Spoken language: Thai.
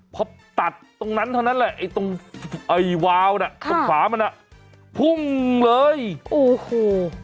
เพราะตัดตรงนั้นเท่านั้นแหละตรงไว้ไว้ตรงฝามันฮะพุ่งเลยโอ้โฮ